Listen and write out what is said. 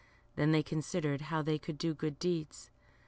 Then they considered how they could do good deeds.